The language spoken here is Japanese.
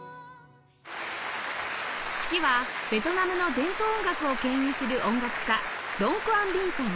指揮はベトナムの伝統音楽を牽引する音楽家ドン・クアン・ヴィンさん